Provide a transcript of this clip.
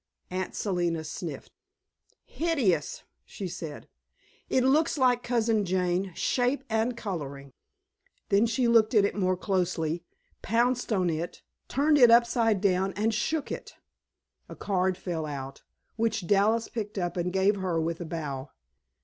Aunt Selina sniffed. "Hideous!" she said. "It looks like Cousin Jane, shape and coloring." Then she looked at it more closely, pounced on it, turned it upside down and shook it. A card fell out, which Dallas picked up and gave her with a bow.